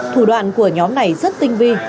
thủ đoạn của nhóm này rất tinh vi